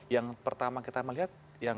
yang pertama kita melihat